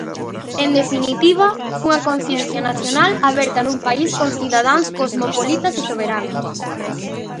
En definitiva, unha conciencia nacional aberta nun país con cidadáns cosmopolitas e soberanos.